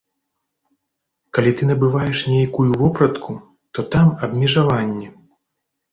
Калі ты набываеш нейкую вопратку, то там абмежаванні.